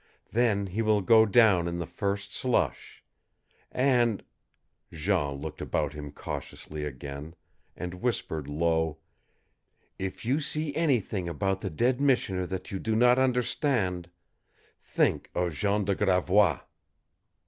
Then he will go down in the first slush. And" Jean looked about him cautiously again, and whispered low "if you see anything about the dead missioner that you do not understand THINK OF JEAN DE GRAVOIS!"